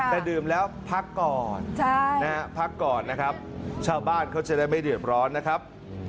แต่ดื่มแล้วพักก่อนพักก่อนนะครับชาวบ้านเขาจะได้ไม่เดือดร้อนนะครับ